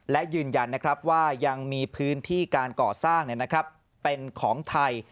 และยืนยันนะครับว่ายังมีพื้นที่การก่อสร้างนะครับเป็นของไทย